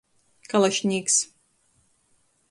Kalašnīks.